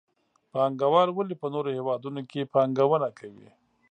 پانګوال ولې په نورو هېوادونو کې پانګونه کوي؟